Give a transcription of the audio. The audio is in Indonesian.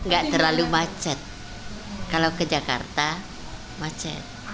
gak terlalu macet kalau ke jakarta macet